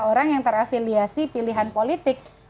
orang yang terafiliasi pilihan politik